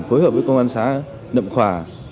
phối hợp với công an xá nậm khỏa